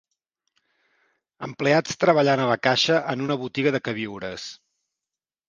Empleats treballant a la caixa en una botiga de queviures